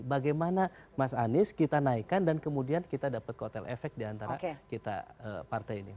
bagaimana mas anies kita naikkan dan kemudian kita dapat kotel efek diantara kita partai ini